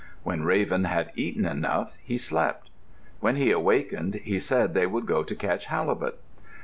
When Raven had eaten enough, he slept. When he awakened, he said they would go to catch halibut.